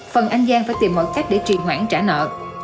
phần anh giang phải tìm mọi cách để trì hoãn trả nợ